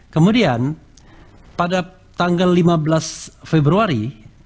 kemudian pada tanggal lima belas februari